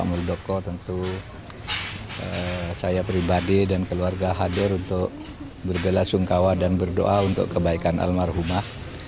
untuk berbela sungkawa dan berdoa untuk kebaikan almarhumah